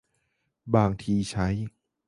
บางทีใช้